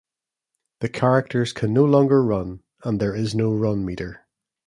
The characters can no longer run, and there is no run meter.